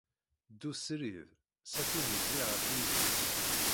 Ddu srid, sakkin zzi ɣef uyeffus.